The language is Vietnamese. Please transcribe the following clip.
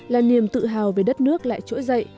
là niềm tự hào về đất nước lại trỗi dậy